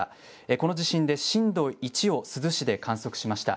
この地震で震度１を珠洲市で観測しました。